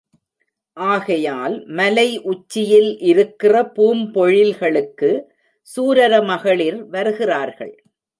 ஆகையால் மலை உச்சியில் இருக்கிற பூம்பொழில்களுக்கு சூரர மகளிர் வருகிறார்கள்.